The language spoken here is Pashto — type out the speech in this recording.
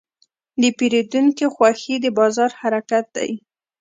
د پیرودونکي خوښي د بازار حرکت دی.